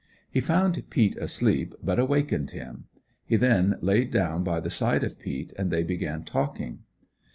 He found Peet asleep, but awakened him. He then laid down by the side of Peet, and they began talking.